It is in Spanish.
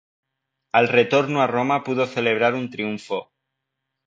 Al retorno a Roma pudo celebrar un triunfo.